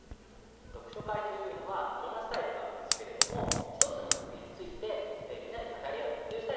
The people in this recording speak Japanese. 読書会というのはいろんなスタイルがあるんですけれども一つの作品についてみんなで語り合うっていうスタイルが割と多めです。